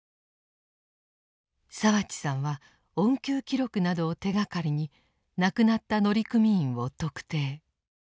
澤地さんは恩給記録などを手がかりに亡くなった乗組員を特定。